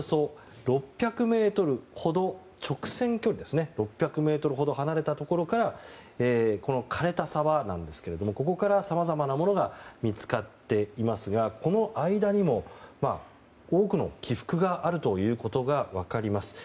そこから直線距離でおよそ６００ｍほど離れたところから枯れた沢なんですがここからさまざまなものが見つかっていますが、この間にも多くの起伏があることが分かります。